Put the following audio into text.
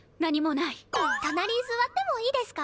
隣座ってもいいですか？